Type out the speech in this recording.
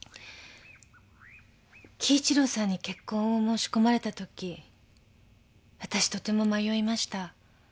輝一郎さんに結婚を申し込まれたときわたしとても迷いました。